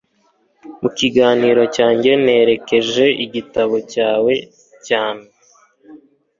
Mu kiganiro cyanjye nerekeje igitabo cyawe cyane